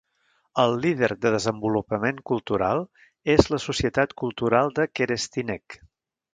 El líder de desenvolupament cultural és la societat cultural de Kerestinec.